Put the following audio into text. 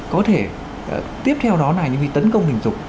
có thể tiếp theo đó này những tấn công tình dục